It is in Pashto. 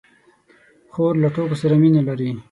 خور له ټوکو سره مینه لري.